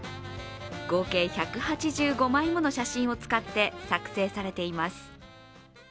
合計１８５枚もの写真を使って作成されています。